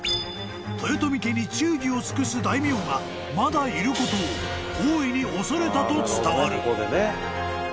［豊臣家に忠義を尽くす大名がまだいることを大いに恐れたと伝わる］